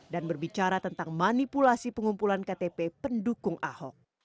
dan berbicara tentang manipulasi pengumpulan ktp pendukung ahok